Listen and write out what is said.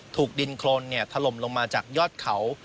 ถูกดินโครนเนี่ยทะลมลงมาจากยอดเขา